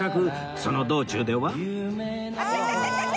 その道中では